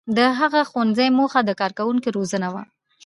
• د هغه ښوونځي موخه د کارکوونکو روزنه وه.